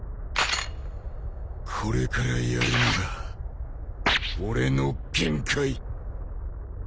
これからやるのが俺の限界。